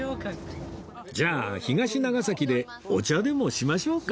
じゃあ東長崎でお茶でもしましょうか